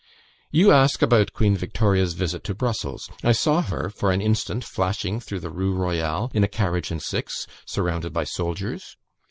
You ask about Queen Victoria's visit to Brussels. I saw her for an instant flashing through the Rue Royale in a carriage and six, surrounded by soldiers.